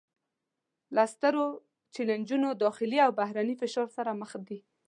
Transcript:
له سترو چلینجونو داخلي او بهرني فشار سره مخ دي